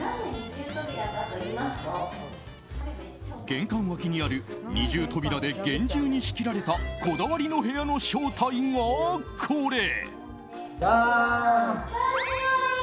玄関脇にある二重扉で厳重に仕切られたこだわりの部屋の正体が、これ。